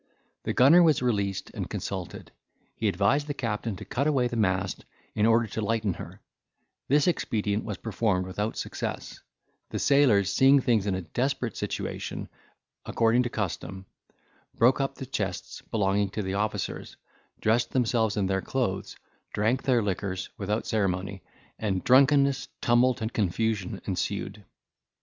The gunner was released and consulted: he advised the captain to cut away the mast, in order to lighten her; this expedient was performed without success: the sailors, seeing things in a desperate situation, according to custom, broke up the chests belonging to the officers, dressed themselves in their clothes, drank their liquors without ceremony, and drunkenness, tumult, and confusion ensued.